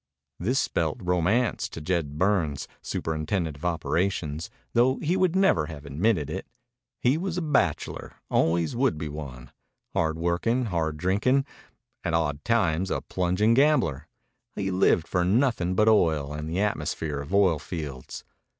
This spelt romance to Jed Burns, superintendent of operations, though he would never have admitted it. He was a bachelor; always would be one. Hard working, hard drinking, at odd times a plunging gambler, he lived for nothing but oil and the atmosphere of oil fields.